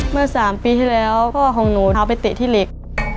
เมื่อ๓ปีที่แล้วพ่อของหนูเอาไปเตะที่เหล็ก